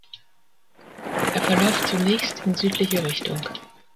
Er verläuft zunächst in südliche Richtung.